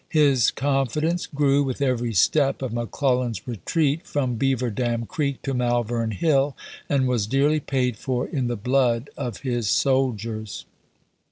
His confi dence gi'ew with every step of McCIellan's retreat from Beaver Dam Creek to Malvern Hill, and was dearly paid for in the blood of his soldiers.